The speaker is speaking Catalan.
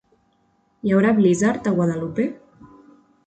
Hi haurà blizzard a Guadalupe?